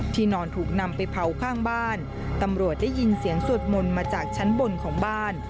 นอนถูกนำไปเผาข้างบ้านตำรวจได้ยินเสียงสวดมนต์มาจากชั้นบนของบ้าน